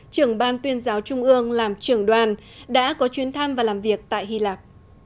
trưởng ban tuyên giáo trung ương làm trưởng đoàn đã có chuyến thăm và làm việc tại hy lạp